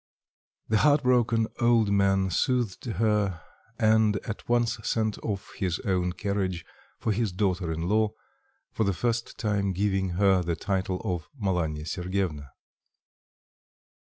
The heart broken old man soothed her, and at once sent off his own carriage for his daughter in law, for the first time giving her the title of Malanya Sergyevna.